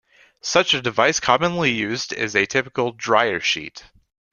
Such a device commonly used is a typical 'dryer sheet'.